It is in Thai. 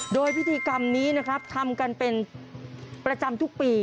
โดยพิธีกรรมนี้นะครับทำกันเป็นประจำทุกปี